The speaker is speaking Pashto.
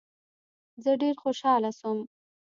زه ډیر خوشحاله سوم.